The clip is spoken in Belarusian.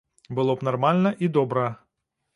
Было б нармальна і добра.